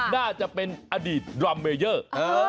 น่าจะเป็นอดีตดรัมเมเยอร์